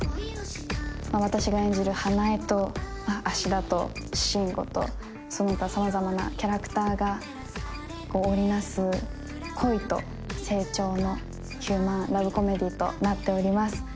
私が演じる花枝と芦田と慎吾とその他様々なキャラクターが織りなす恋と成長のヒューマンラブコメディとなっております